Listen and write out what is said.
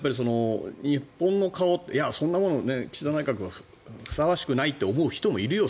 日本の顔、そんなもの岸田内閣はふさわしくないって思う人はいるよ。